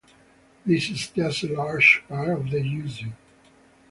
This is just a larger part of the issue.